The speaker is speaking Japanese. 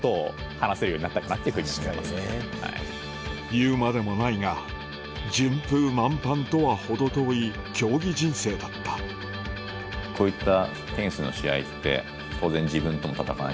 言うまでもないが順風満帆とは程遠い競技人生だったこういった。